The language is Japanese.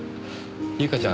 唯香ちゃん